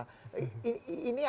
ini apa yang anda cium